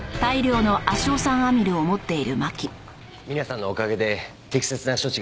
皆さんのおかげで適切な処置が早く出来ました。